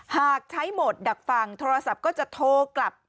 หากใช้หมดดักฟังโทรศัพท์ก็จะโทรกลับ